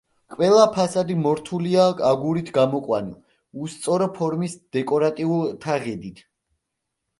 ყველა ფასადი მორთულია აგურით გამოყვანილ, უსწორო ფორმის დეკორატიულ თაღედით.